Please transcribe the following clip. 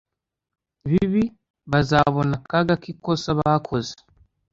bibi bazabona akaga kikosa bakoze